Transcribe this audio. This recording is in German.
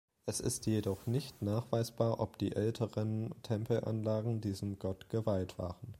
Es ist jedoch nicht nachweisbar, ob die älteren Tempelanlagen diesem Gott geweiht waren.